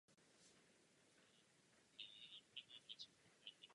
Sněmovna reprezentantů je dolní komorou Federálního australského parlamentu.